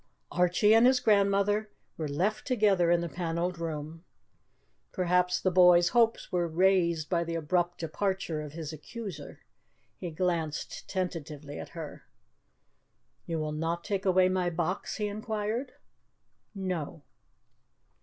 Archie and his grandmother were left together in the panelled room. Perhaps the boy's hopes were raised by the abrupt departure of his accuser. He glanced tentatively at her. "You will not take away my box?" he inquired. "No."